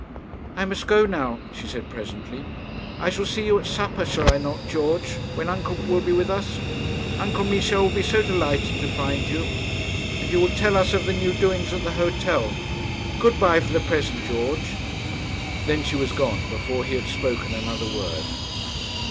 'I must go now,' she said presently. 'I shall see you at supper, shall I not, George, when Uncle will be with us? Uncle Michel will be so delighted to find you. And you will tell us of the new doings at the hotel. Good bye for the present, George.' Then she was gone before he had spoken another word.